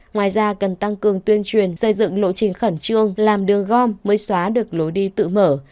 ngoài ra cần tăng cường tuyên truyền xây dựng lộ trình khẩn trương làm đường gom mới xóa được lối đi tự mở